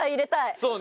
そうね。